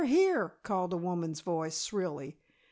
Here!" called a woman's voice shrilly.